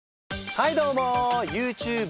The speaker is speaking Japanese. はいどうも！